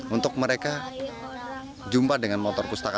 untuk mereka jumpa dengan motor pustaka